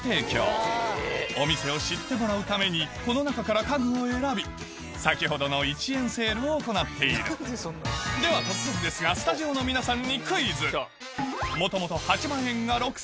他にもお店を知ってもらうためにこの中から家具を選び先ほどの１円セールを行っているでは突然ですがスタジオの何だろう？